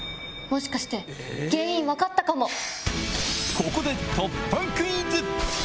ここで突破クイズ！